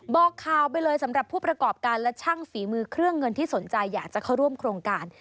บอกข่าวไปเลยสำหรับผู้ประกอบการและช่างฝีมือเครื่องเงินที่สนใจอยากจะเข้าร่วมโครงการ